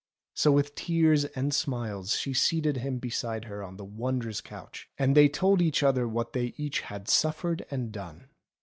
So with tears and smiles she seated him beside her on the wondrous couch, and they told each other what they each had suffered and done.